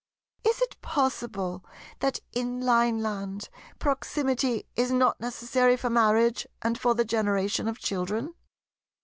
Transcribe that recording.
Is it possible that in Lineland proximity is not necessary for marriage and for the generation of children?"